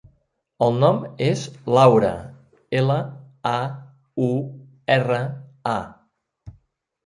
El nom és Laura: ela, a, u, erra, a.